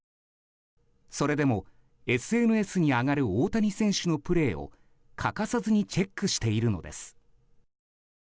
それでもＳＮＳに上がる大谷選手のプレーを欠かさずにチェックしているのです。